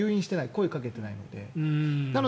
声をかけていないので。